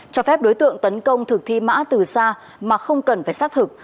cho phép đối tượng tấn công thực thi mã từ xa mà không cần phải xác thực